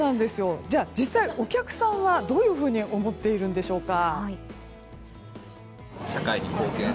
じゃあ、実際お客さんはどういうふうに思っているんでしょうか。